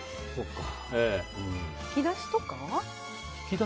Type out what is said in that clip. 引き出しとか？